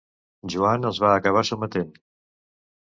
Joan els va acabar sotmetent.